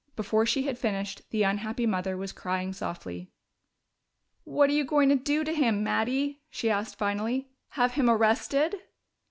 Before she had finished, the unhappy mother was crying softly. "What are you going to do to him, Mattie?" she asked finally. "Have him arrested?"